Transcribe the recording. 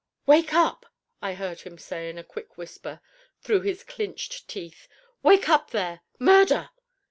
"Wake up!" I heard him say, in a quick whisper, through his clinched teeth. "Wake up there! Murder!"